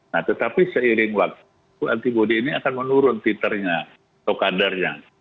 nah tetapi seiring waktu antibody ini akan menurun titernya atau kadarnya